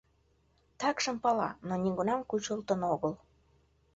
Такшым пала, но нигунам кучылтын огыл.